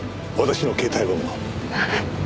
はい。